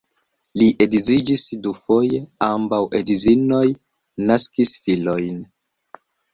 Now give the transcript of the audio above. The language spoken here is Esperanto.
Li edziĝis dufoje, ambaŭ edzinoj naskis filojn.